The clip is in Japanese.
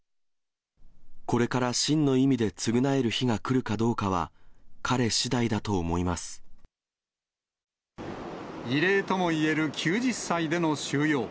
これから真の意味で償える日が来るかどうかは、異例ともいえる９０歳での収容。